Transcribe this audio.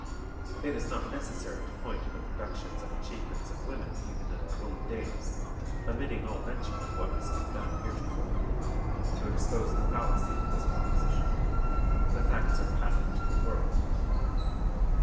It is not necessary to point to the productions and achievements of women even in our own days, omitting all mention of what has been done heretofore, to expose the fallacy of this proposition. The facts are patent to the world.